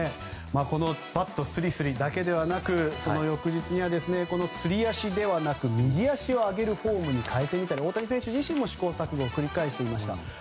バットスリスリだけではなくその翌日には、すり足じゃなくて右足を上げるフォームに変えてみたり大谷選手自身も試行錯誤を繰り返していました。